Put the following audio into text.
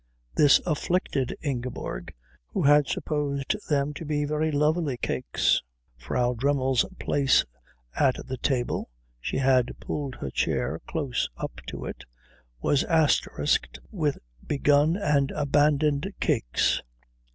This afflicted Ingeborg, who had supposed them to be very lovely cakes. Frau Dremmel's place at the table she had pulled her chair close up to it was asterisked with begun and abandoned cakes.